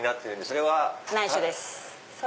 それは。内緒です。